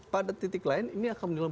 pada titik lain ini akan menurun